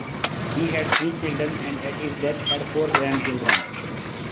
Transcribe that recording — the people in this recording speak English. He had three children and, at his death, had four grandchildren.